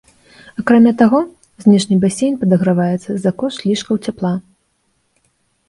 Акрамя таго, знешні басейн падаграваецца за кошт лішкаў цяпла.